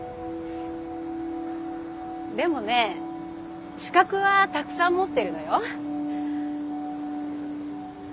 でもね資格はたくさん持ってるのよ。